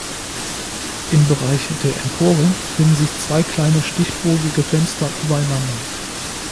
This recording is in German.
Im Bereich der Empore finden sich zwei kleine stichbogige Fenster übereinander.